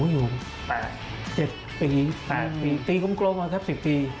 อยู่๗ปี๘ปีตีกลมโกรธมาแทบ๑๐ปี